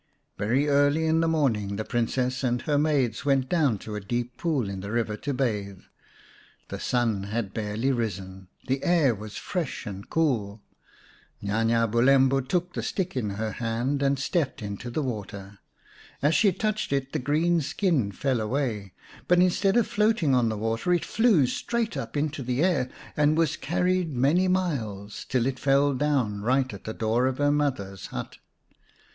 Very early in the morning the Princess and 209 p Nya nya Bulembu ; xvn her maids went down to a deep pool in the river to bathe. The sun had barely risen, the air was fresh and cool. Nya nya Bulembu took the stick in her hand and stepped into the water. As she touched it the green skin fell away, but instead of floating on the water it flew straight up into the air, and was carried many miles, till it fell down right at the door of her mother's hut.